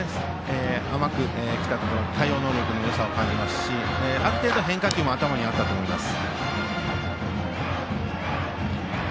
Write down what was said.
対応能力の高さを感じますしある程度、変化球も頭にあったと思います。